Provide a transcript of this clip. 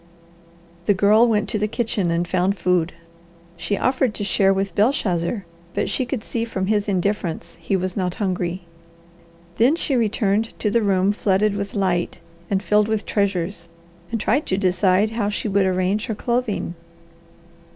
The Girl went to the kitchen and found food. She offered to share with Belshazzar, but she could see from his indifference he was not hungry. Then she returned to the room flooded with light, and filled with treasures, and tried to decide how she would arrange her clothing.